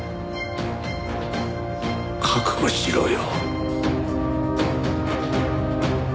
覚悟しろよ。